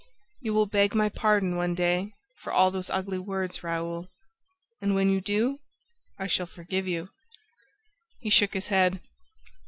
"You will beg my pardon, one day, for all those ugly words, Raoul, and when you do I shall forgive you!" He shook his head.